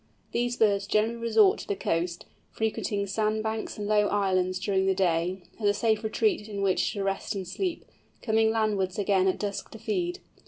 These birds generally resort to the coast, frequenting sand banks and low islands during the day, as a safe retreat in which to rest and sleep, coming landwards again at dusk to feed.